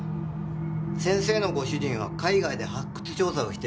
先生のご主人は海外で発掘調査をしてるとか。